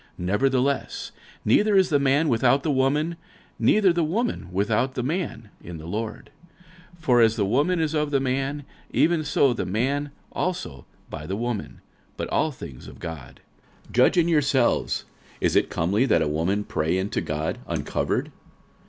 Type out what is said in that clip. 46:011:011 Nevertheless neither is the man without the woman, neither the woman without the man, in the Lord. 46:011:012 For as the woman is of the man, even so is the man also by the woman; but all things of God. 46:011:013 Judge in yourselves: is it comely that a woman pray unto God uncovered?